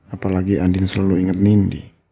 apalagi andin selalu ingat nindi